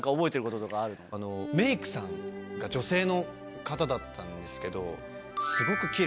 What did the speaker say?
メイクさんが女性の方だったんですけど。